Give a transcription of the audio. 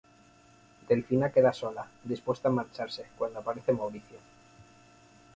Delfina queda sola, dispuesta a marcharse, cuando aparece Mauricio.